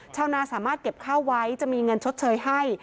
ชาวนาสามารถเก็บข้าวไว้จะมีเงินชดเชยให้